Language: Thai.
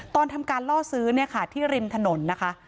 ทำการล่อซื้อเนี่ยค่ะที่ริมถนนนะคะ